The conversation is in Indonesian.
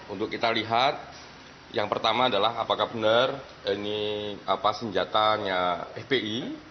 untuk kita lihat yang pertama adalah apakah benar ini senjatanya fpi